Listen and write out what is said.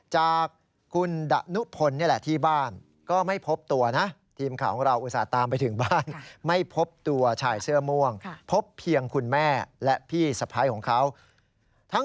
จากคุณดะนุพลเนี่ยแหละที่บ้าน